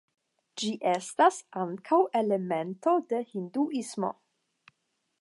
Ĝi estas ankaŭ elemento de Hinduismo.